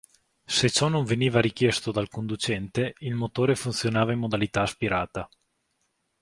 Se ciò non veniva richiesto dal conducente, il motore funzionava in modalità aspirata.